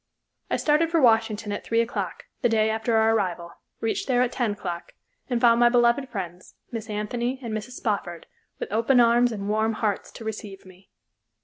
I started for Washington at three o'clock, the day after our arrival, reached there at ten o'clock, and found my beloved friends, Miss Anthony and Mrs. Spofford, with open arms and warm hearts to receive me.